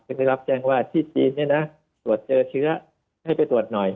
ตัสได้รับแจ้งว่าที่จีนส่วนตัวหิวเรื่องแรงเชื้อ